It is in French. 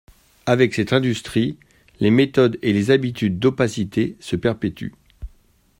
Avec cette industrie, les méthodes et les habitudes d’opacité se perpétuent.